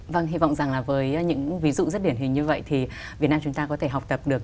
vâng hy vọng rằng là với những ví dụ rất điển hình như vậy thì việt nam chúng ta có thể học tập được